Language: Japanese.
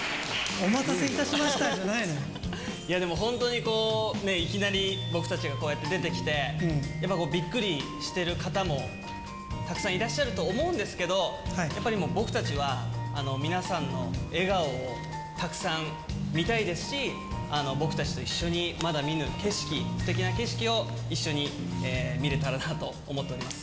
お待たせいたしましたじゃないや、でも本当、いきなり僕たちがこうやって出てきて、やっぱこう、びっくりしてる方もたくさんいらっしゃると思うんですけど、やっぱりもう、僕たちは皆さんの笑顔をたくさん見たいですし、僕たちと一緒にまだ見ぬ景色、すてきな景色を一緒に見れたらなと思っております。